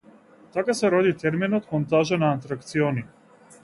Така се роди терминот монтажа на атракциони.